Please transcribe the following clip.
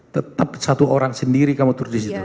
tetap satu orang sendiri kamu turis disitu